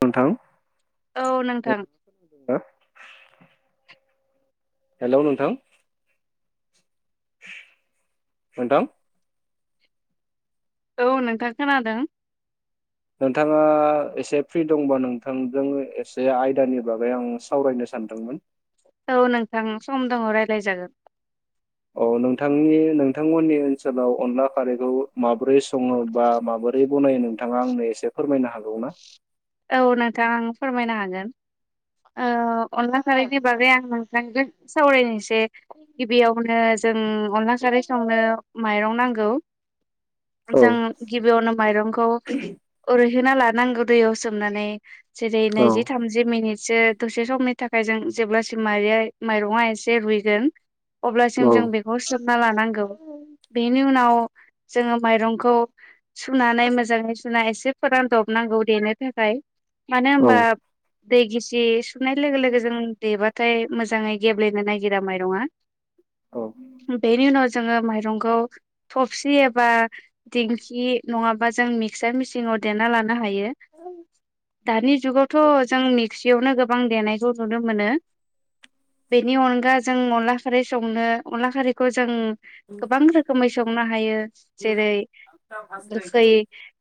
नोंथां। औ नोंथां। हेलौ नोंथां। नोंथां। औ नोंथां खोनादों। नोंथाङा एसे फ्रि दंबा नोंथांजों एसे आयदानि बागै आं सावरायनोसै सानदोंमोन। औ नोंथां सम दङ रायज्लाय जागोन। औ नोंथांनि नोंथांमोननि ओनसोलाव अनला खारैखौ माबा माबोरै सङो बा माबोरै बनायो नोंथाङा आंनो एसे फोरमायनो हागौ ना? औ नोंथां आं फोरमायनो हागोन। ओ अनला खारैनि बागै आं नोंथांजों सावरायनोसै गिबियावनो जों अनला खारै संनो माइरं नांगौ । औ जों गिबियावनो माइरंखौ ओरै होना लानांगौ दैयाव सोमनानै जेरै औ नैजि थामजि मिनिट जो दसे समनि थाखाय जों जेब्लासिम माइर माइरंङा एसे रुइगोन अब्लासिम जों बेखौ सोमना लानांगौ। बेनि उनाव जोङो माइरंखौ सुनानै मोजाङै सुनानै एसे फोरान दब नांगौ देनो। थाखाय मानो औ होनबा दै गिसि सुनाय लोगो लोगो जों देबा फाय मोजाङै गेब्लेनो नायागिरा माइरङा औ बेनि उनाव जोंङो माइरंखौ थबसि एबा दिंखि नङाबा जों मिक्चार मिसिंआव नाव देना लानो हायो दानि जुगावथ' जोंनि खुसियावनो गोबां देनायखौ नुनो मोनो बेनि अनगा जों अनला खारै संनो अनला खारैखौ जों गोबां रोखोमै संनो हायो जेरै गोखै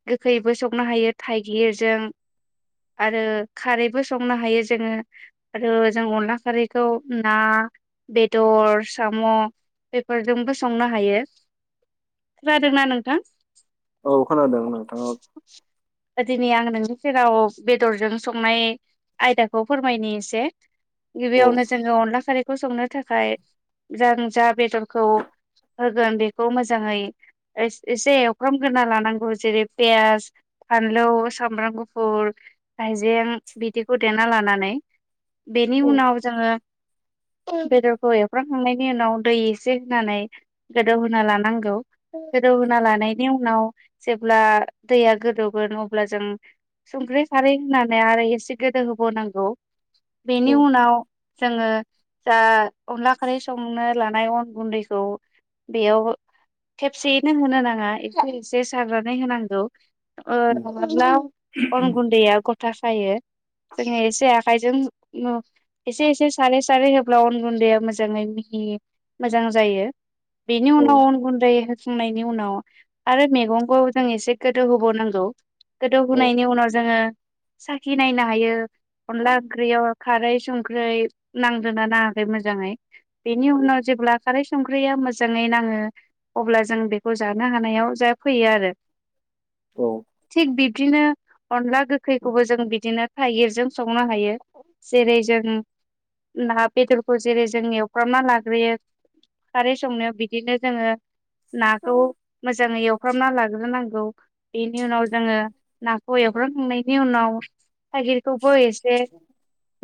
गोखैबो संनो हायो थाइगिरजों आरो खारैबो संनो हायो जोङो आरो जों अनला खारैखौ ना बेदर साम' बेफोरजोंबो संनो हायो । खोनादोंना नोंथां? औ खोनादों नोंथां ओं। ओ दिनै आं नोंनि सेराव बेदरजों संनाय आयदाखौ फोरमायनि एसे। औ गिबियावनो जोङो अनला खारैखौ संनो थाखाय जों जा बेदरखौ होगोन बेखौ मोजाङै एस एसे एवखामग्रोरोना लानांगौ जेरै पियास फानलौ सामब्राम गुफुर हाइजें बिदिखौ देना लानानै बेनि औ उनाव जोङो बेदरखौ एवफ्रांखांनायनि उनाव दै एसे होनानै गोदौहा लानांगौ गोदौहोना लानायनि उनाव जेब्ला दैया गोदौ गोन अब्ला जों संख्रि खारै होनानै आरो एसे गोदौ होबाव नांगौ औ बेनि उनाव जोङो जा अनला खारै संनो लानाय अन गुन्दैखौ। बेयाव खेबसेयैनो होनो नाङा एसे एसे सारनानै होनांगौ। ओ-नङाब्ला अन गुन्दैया गथा खायो। जोंङो एसे आखायजों नो एसे एसे सारै सारै होब्ला अन गुन्दैया मोजाङै मिहि मोजां जायो। बेनि औ उनाव अन गुन्दै होखांनायनि उनाव आरो मेगंखौ जों एसे गोदौ । होबाव नांगौ गोदौ होनायनि उनाव जोङो साखि नायनो हायो। अनला ओंख्रियाव खारै संख्रै नांदोना नाङाखै मोजाङै बेनि उनाव जे ब्ला खारै संख्रिया मोजाङै नाङो। अब्ला जों बेखौ जानो हानायाव जा फैयो आरो। औ थिग बिब्दिनो। अनला गोखैखौबो जों बिदिनो थाइगिरजों संनो हायो जेरै जों। ना बेदरखौ जेरै जोंनि एवफ्रामना लाग्रोयो। खारै संनायाव बिदिनो जोङो नाखौ मोजाङै एवफ्रामना लाग्रोनांगौ। बेनि उनाव जोङो नाखौ एवफ्रामखांनायनि उनाव। थाइगिरखौबो एसे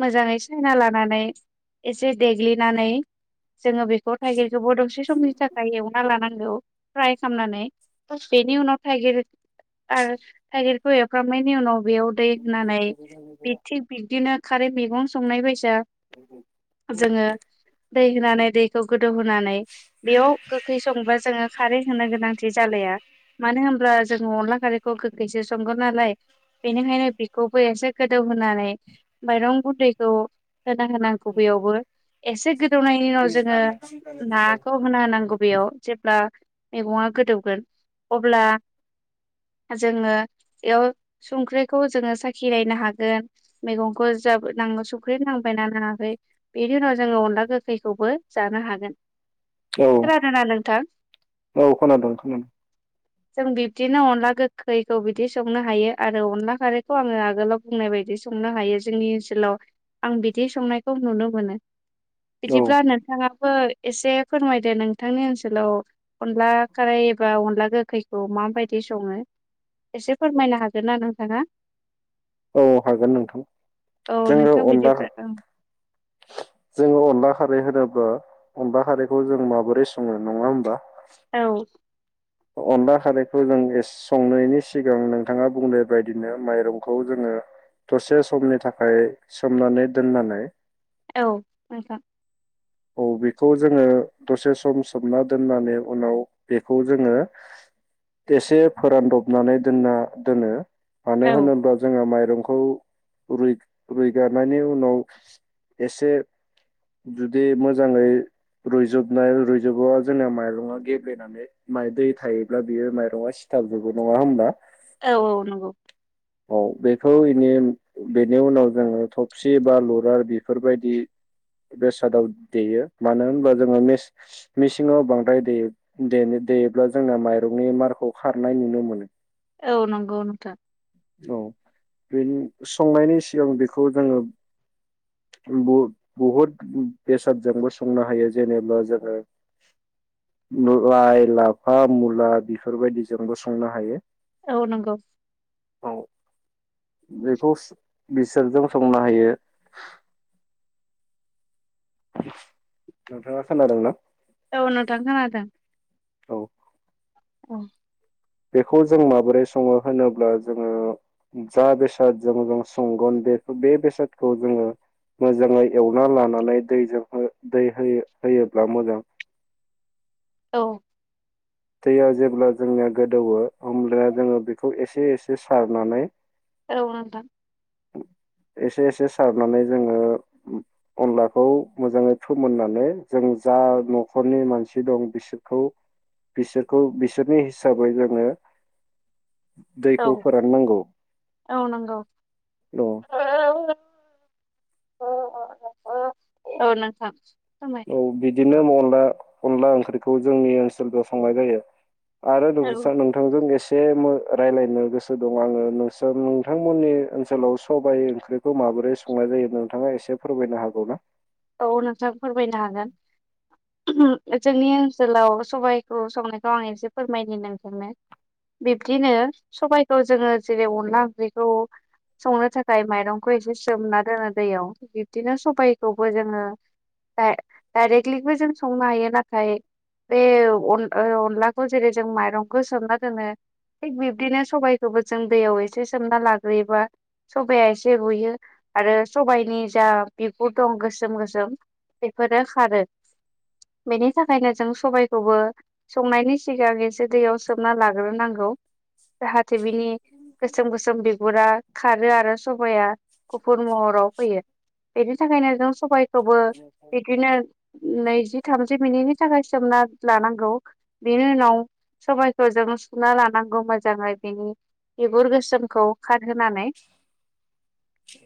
मोजाङै। सायना लानानै एसे देग्लिनानै जोङो बेखौ थाइगिर। खोबो दसे समनि थाखाय एवना लानांगौ फ्राय खालामनानै बेनि उनाव थाइगिर आर थाइगिरखौ एवफ्रामनायनि उनाव। बेयाव दै होनानै बे थिग बिबदिनो खारै मेगं संनाय बायसा। जोङो दै होनानै। दैखौ गोदौहोनानै बेयाव गोखै संबा जोङो खारै होनो गोनांथि जालाया। मानो होनब्ला जोंङो अनला खारैखौ गोखैसो संगोन नालाय। बेनिखायनो बेखौबो एसे गोदौ होनानै माइरं गुन्दैखौ। होना होनांगौ बेयावबो एसे गो दौनायनि उनाव जोङो नाखौ होना होनांगौ बेयाव जेब्ला मेगंआ गोदौगोन अब्ला। [inaudible] जोङो बेयाव संख्रिखौ जोङो साखिनायनो हागोन मैगंखौ जो नां संख्रि नांबाय। ना नाङाखै बेनि उनाव जोङो अनला गोखैखौबो जानो हागोन। औ खोनादोंना नोंथां औ खोनादों खोनादोंं। जों बिब्दिनो अनला गोखैखौ बिदि संनो हायो आरो अनला खारैखौ आङो आगोलाव बुंनाय बायदि सं संनो हायो जोंनि ओनसोलाव आं बिदि संनायखौ नुनो मोनो। औ बिदिब्ला नोंथाङा? बो एसे फोरमायदो नोंथांनि ओनसोलाव अनला खाराय एबा अनला गोखै। खौ माबायदि सङो एसे फोरमायनो हागोन ना नोंथाङा? औ हागोन नोंथां औ जोङो नोंथां अनला। बिदिब्ला औ जोङो अनला खारै होनो। बा अनला खारैखौ जों माबोरै संनो नङा होमबा? औ अनला खारैखौ जों संनायनि सिगां नोंथाङा बुंनाय बादिनो माइरंखौ। खौ जोङो दसे समनि थाखाय सोमनानै दोननानै। औ नोंथां औ बेखौ जोङो दसे सम सोमना दोननानै उनाव बेखौ जोङो। एसे फोरानदबनानै दोनना दोनो मानो औ होनोबा जोंहा माइ। रंखौ रुय रुगनायनि उनाव एसे। जुदि मोजाङै। रुयजुबनाय रुइजुबोबा जोंना माइरङा गेब्लेनानै माइ दै थायोब्ला बियो माइरङा सि सिथाबजोबो नङा होमबा? औ औ नंगौ औ बेखौ इनि बेनि उनाव जोङो थबसि बा लरार बेफोरबायदि बेसादाव देयो मानो होनबा जोङो मेसिन मिसिङाव बांद्राय देयो‌ देयो देयोब्ला जोंना माइरंनि मारखौ खारनाय नुनो मोनो। औ नंगौ नोंथां औ बेनि संनायनि सिगां बेखौ जोङो बुद बहुद बेसादजोंबो संनो हायो जेनेबा जोङो लाइ लाफा मुला बेफोरबायदि जोंबो संनो हायो। औ नंगौ औ बेखौ बिसोरजों संनो हायो। नोंथाङा खोनादोंना? औ नोंथां खोनादों औ अ बेखौ जों माबोरै सङो होनोब्ला जोङो जा बेसादजों जों संगोन। बेखो बे बेेसादखौ जोंङो मोजाङै एवना लानानै दैजों हो दै हो होयोब्ला मोजां [inaudible] औ दैया जेब्ला जोंनिया गोदौवो होमब्ला जोङो बेखौ एसे एसे सारनानै औ नोंथां एसे एसे सारनानै जोङो अनलाखौ मोजाङै फोमोननानै जों जा न'खरनि मानसि दं बिसोरखौ बिसोरखौ बिसोरनि हिसाबै जोङो औ दैखौ फोराननांगौ औ नंगौ औ [unintelligible] औ नोंथां फोरमाय औ बिदिनो अनला अनला ओंख्रिखौ जोंनि ओनसोलजों संनाय जायो। आरो औ नोंस्रा नोंथांजों एसे एसे मो राजलायनो गोसो दं आङो नोंसा नोंथांमोननि ओनसोलाव सबाय ओंख्रिखौ माबोरै माबोरै संनाय जायो नोंथाङा एसे फोरमायनो हागौ ना? औ नोंथां फोरमायनो हागोन। जोंनि ओनसोलाव सबाइखौ संनायखौ आं एसे फोरमायनि नोंथांनो बिब्दिनो सबायखौ जोङो जेरै अनला ओंख्रैखौ संनो थाखाय माइरंखौ एसे सोमना दोनो दैयाव बिब्दिनो सबाइखौबो जोङो दाय दाइरेक्टलिबो जों संनो हायो नाथाय बे अन ओ अनलाखौ जेरै जों माइरंखौ सोमना दोनो थिग बिब्दिनो सबाइखौबो जों दैयाव एसे सोमना लाग्रोयोबा सबाया एसे रुयो। आरो सबायनि जा बिगुर दं गोसोम गोसोम बेफोरो खारो। बेनि थाखायनो जों सबायखौबो संनायनि सिगां एसे दैयाव सोमना लाग्रोनांगौ। जाहाथे बिनि गोसोम गोसोम बिगुरा खारो आरो सबाया गुफुर महराव फैयो। बेनि थाखायनो जों सबाइखौबो बिदिनो नैजि थामजि मिनिटनि थाखाय सोमना लानांगौ बेनि उनाव सबायखौ जों सुना लानां गौ मोजाङै बेनि बिगुर गोसोमखौ खारहोनानै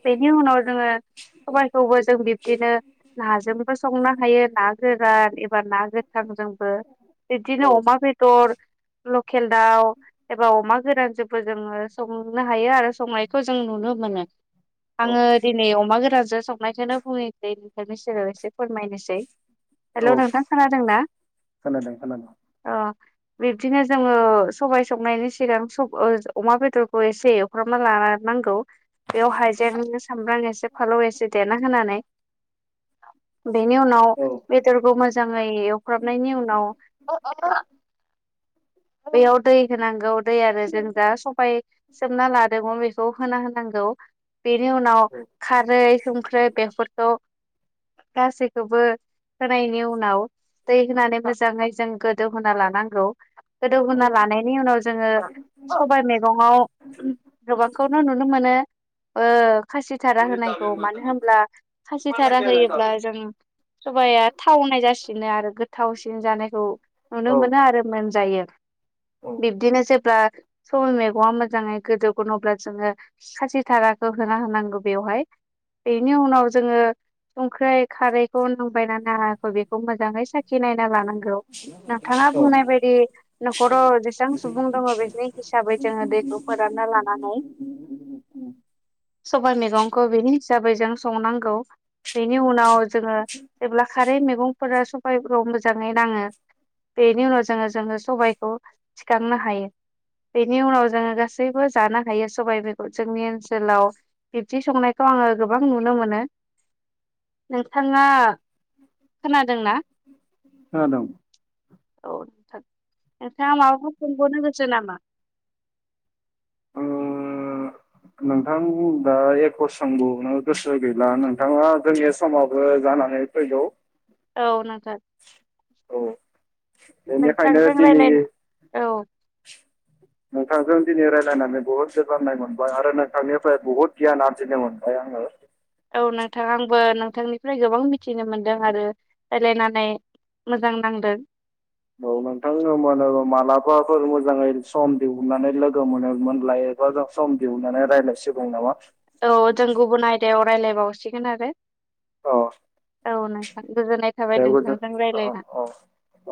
बिनि उनाव जोङो सबाय खौबो जों बिब्दिनो नाजोंबो संनो हायो ना गोरान एबा ना गोथांजोंबो औ बेब्दिनो अमा बेदर लक खेल दाव एबा अमा गोरानजोंबो जोङो संनो हायो आरो संनायखौ जों नुनो मोनो। औ आङो दिनै अमा गोरानजो संनायखौनो बुङनोसै नोंथांनि सेराव एसे फोरमायनोसै। हेलौ औ नोंथां खोनादोंना खोनादों खोनादों अ बिब्दिनो जोङो सबाय संनायनि सिगां सब ओ अमा बेदरखौ एसे एवफ्रामना ला नांगौ बेयाव हाइजें सामब्राम एसे फालौ एसे देना होनानै बेनि उनाव औ बेदरखौ मोजाङै एवफ्रामनायनि उनाव बेयाव दै होनांगौ दै आरो जों जा सबाय सोमना लादोंमोन बेखौ होना होनां गौ बेनि उनाव खारै संख्रै बेफोरखौ गासैखौबो होनायनि उनाव दै होनानै मोजाङै जों गोदौहोना लानांगौ। गोदौ होनना लानायनि उनाव जोङो सबाइ मेगंआव गोबांखौनो नुनो मोनो ओ खासिधारा होनायखौ मानो औ होमब्ला औ खासिधारा होयोब्ला जों सबाया थावनाय जासिनो आरो गोथाव सिन जानायखौ नुनो मोनो खोनादों आरो मोनजायो बिब्दिनो जेब्ला सबाइ मैगङा मोजाङै गोदौगोन अब्ला जोङो खासि धाराखौ होना होनांगौ बेवहाय बेनि उनाव जोङो संख्रै खारैखौ नांबाय ना नाङाखै बेखौ मोजाङै सा खि नायना लानांगौ नोंथाङा बुंनाय बायदि न'खराव जेसां सुबुं दङ बेनि हिसाबै जोङो दैखौ फोरानना लानानै सबाइ मेगंखौ बिनि हिसाबै जों संनांगौ बेनि उनाव जोङो जेब्ला खारै मैगंफोरा स बायफ्राव मोजाङै नाङो बेनि उनाव जोङो जोङो सबायखौ थिखांनो हायो। बेनि उनाव जोङो गासैबो जानो हायो सबाय बेगर जोंनि ओनसोलाव बिब्दि संनायखौ आङो गोबां नुनो मोनो। नोंथाङा खोनादोंना औ [unintelligible] नोंथाङा माबाफोर सोंबावनो गोसो नामा? ओ नोंथां दा ए ख सोंबावनो गोसो गैला नोंथाङा जोंनि समावबो जानानै फैगौ औ नोंथां। औ बेनिखायनो नोंथांजों दिनि रायलायनो औ नोंथांजों दिनै रायजलायनानै बुहुद गोजोननाय मोनबाय आरो नोंथांनिफ्राय बहुत गियान आरजिनो मोनबाय आङो औ नोंथां आंबो नोंथांनिफ्राय गोबां मिथिनो मोनदों आरो रायलायनानै मोजां नांदों। औ नोंथांनो [unintelligible] मालाबाफोर मोजाङै सम दिहुननानै लोगो मोनो मोनलाय ओबा सम दिहुननानै रायलायसिगौ नामा? औ जों गुबुन आयदायाव रायलायबावसिगोन आरो औ औ नोंथां गोजोननाय थाबाय दे गोजोन नोंथांजों औ रायलायना औ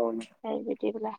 औ बाय बिदिब्ला।